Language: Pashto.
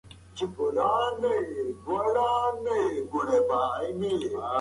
که پالت وي نو رنګونه نه ګډوډیږي.